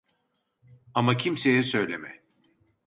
Ama kimseye söyleme.